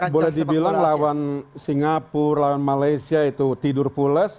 boleh dibilang lawan singapura lawan malaysia itu tidur pules